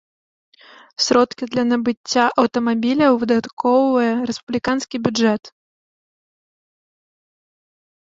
Сродкі для набыцця аўтамабіляў выдаткоўвае рэспубліканскі бюджэт.